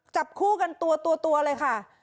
จับคู่กันตัวเลยค่ะ